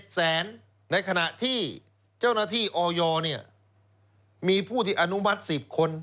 แสนในขณะที่เจ้าหน้าที่ออยมีผู้ที่อนุมัติ๑๐คน